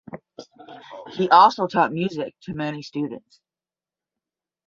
He also taught music to many students.